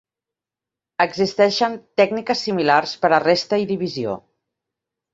Existeixen tècniques similars per a resta i divisió.